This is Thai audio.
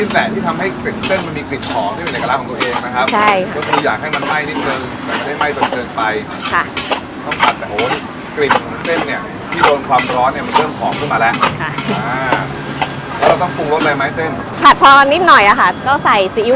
เบาอ้าวไม่เอาแล้วไม่เอาแล้ว